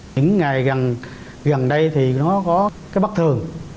những ngày gần đây thì nó có cái bất thường